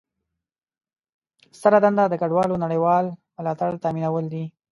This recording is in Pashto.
ستره دنده د کډوالو نړیوال ملاتړ تامینول دي.